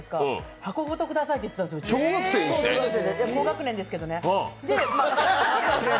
箱ごとくださいって言ってたんです、高学年ですけどね。